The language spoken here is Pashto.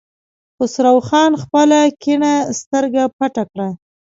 خسرو خان خپله کيڼه سترګه پټه کړه.